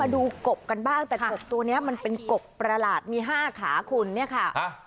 ดูกบกันบ้างแต่กบตัวนี้มันเป็นกบประหลาดมี๕ขาคุณเนี่ยค่ะ